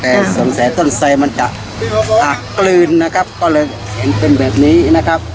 แต่สงสัยต้นไสมันจะอักกลืนนะครับก็เลยเห็นเป็นแบบนี้นะครับ